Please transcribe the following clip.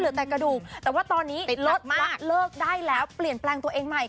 แต่กระดูกแต่ว่าตอนนี้ลดว่าเลิกได้แล้วเปลี่ยนแปลงตัวเองใหม่